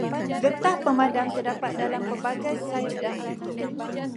Getah pemadam terdapat dalam pelbagai saiz dan bentuk.